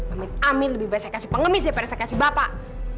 amin amin lebih baik saya kasih pengemis daripada saya kasih bapak